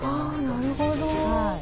あなるほど。